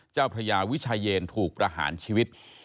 เจ้าพระยาวิชายเยนถูกประหารชีวิต